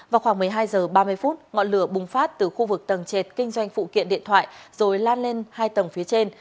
vào khoảng một mươi hai h ba mươi phút ngọn lửa bùng phát từ khu vực tầng trệt kinh doanh phụ kiện điện thoại rồi lan lên hai tầng phía trên